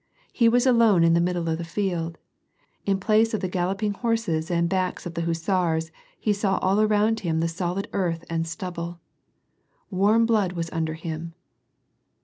He was alone in the middle of the iield. In place of the galloping horses and backs of the hussars, he saw all around . him the solid earth and stubble. Warm blood was under him.